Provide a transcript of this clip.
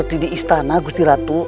hidupkan saya guru